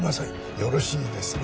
よろしいですね？